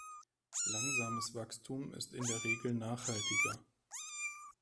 Langsames Wachstum ist in der Regel nachhaltiger.